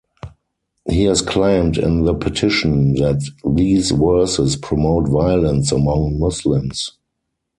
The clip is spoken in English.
He has claimed in the petition that these verses promote violence among Muslims.